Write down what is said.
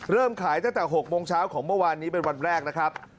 เริ่มขายตั้งแต่๖โมงเช้าของเมื่อวานนี้เป็นวันแรกนะครับ